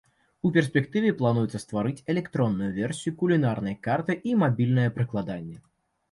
У перспектыве плануецца стварыць электронную версію кулінарнай карты і мабільнае прыкладанне.